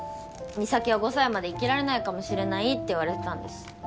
美咲は５歳まで生きられないかもしれないって言われてたんです。